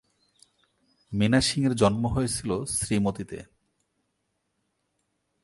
মীনা সিংহের জন্ম হয়েছিল শ্রীমতিতে।